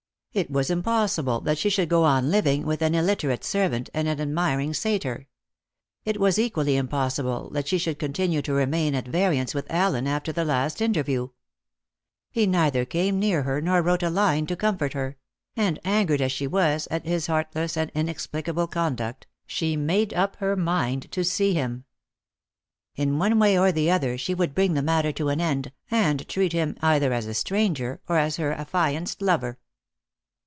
It was impossible that she should go on living with an illiterate servant and an admiring satyr. It was equally impossible that she could continue to remain at variance with Allen after the last interview. He neither came near her nor wrote a line to comfort her; and, angered as she was at his heartless and inexplicable conduct, she made up her mind to see him. In one way or the other she would bring the matter to an end, and treat him either as a stranger or as her affianced lover.